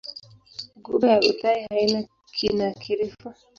Ghuba ya Uthai haina kina kirefu.